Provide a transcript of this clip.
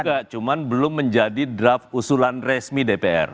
enggak cuma belum menjadi draft usulan resmi dpr